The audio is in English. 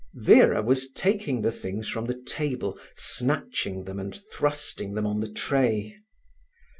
Vera was taking the things from the table, snatching them, and thrusting them on the tray.